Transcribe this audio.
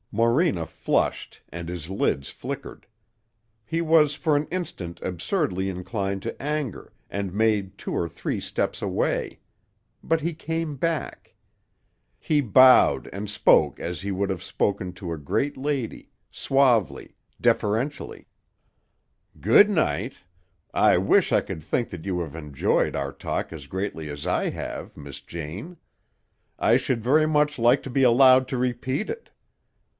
Morena flushed and his lids flickered. He was for an instant absurdly inclined to anger and made two or three steps away. But he came back. He bowed and spoke as he would have spoken to a great lady, suavely, deferentially. "Good night. I wish I could think that you have enjoyed our talk as greatly as I have, Miss Jane. I should very much like to be allowed to repeat it.